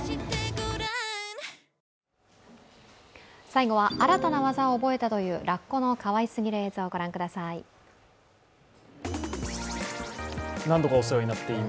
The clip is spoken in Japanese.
最後は新たな技を覚えたというラッコのかわいすぎる映像をご覧ください。